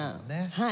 はい。